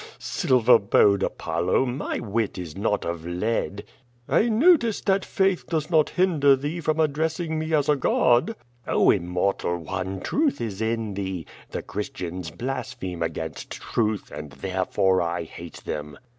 "Kheu! silver bowed Apollo, my wit is not of lead." "I notice that faith does not hinder thee from addressing me as a god." "Oh, immortal one, truth is in thee. The Christians blas pheme against truth, and therefore I hate them."